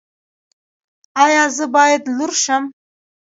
ایا زه باید لور شم؟